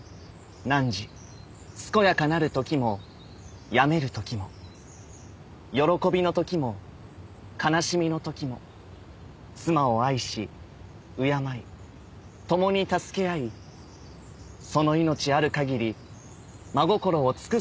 汝健やかなる時も病める時も喜びの時も悲しみの時も妻を愛し敬い共に助け合いその命ある限り真心を尽くす事を誓いますか？